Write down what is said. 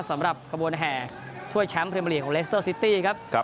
สำหรับกระบวนแห่ถ้วยแชมป์เพรมอเรียของเลสเตอร์ซิตี้ครับ